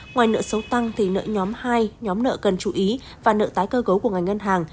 ngoài nợ số tăng thì nợ nhóm hai nhóm nợ cần chú ý và nợ tái cơ cấu của ngành ngân hàng